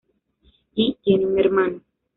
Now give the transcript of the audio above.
Y, tiene un hermano.